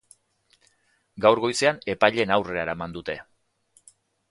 Gaur goizean epaileen aurreran eraman dute.